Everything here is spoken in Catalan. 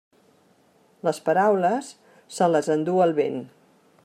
Les paraules, se les endú el vent.